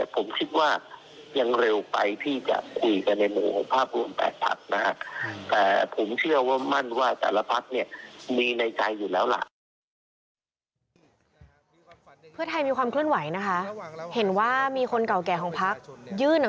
ผมคิดว่ายังเร็วไปที่จะคุยกันในหมู่ภาพรวม๘ภาพนะฮะ